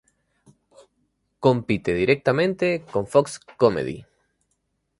Compite directamente con Fox Comedy.